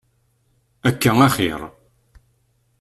Akka axiṛ.